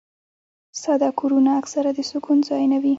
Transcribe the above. ساده کورونه اکثره د سکون ځایونه وي.